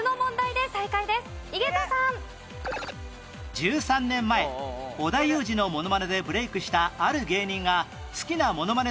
１３年前織田裕二のモノマネでブレークしたある芸人が好きなモノマネ